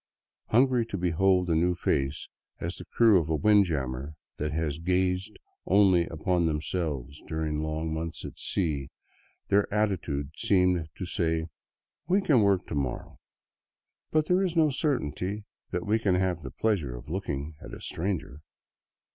Hungry to behold a new face as the crew of a windjammer that has gazed only upon themselves during long months at sea, their attitude seemed to say, " We can work to morrow, but there is no certainty that we can have the pleasure of looking at a stranger."